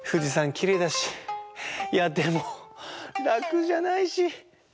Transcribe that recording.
きれいだしいやでもらくじゃないし。